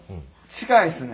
近いですね。